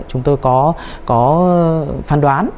chúng tôi có phán đoán